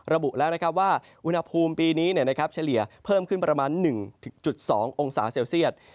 ระบุแล้วว่าอุณหภูมิปีนี้เฉลี่ยเพิ่มขึ้นประมาณ๑๒องศาเซลเซียต